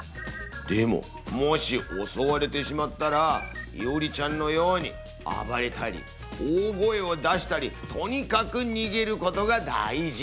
でももしおそわれてしまったらイオリちゃんのように暴れたり大声を出したりとにかく逃げることが大事！